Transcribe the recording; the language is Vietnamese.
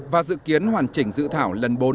và dự kiến hoàn chỉnh dự thảo lần bốn